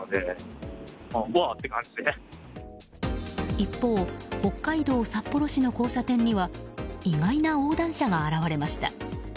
一方、北海道札幌市の交差点には意外な横断者が現れました。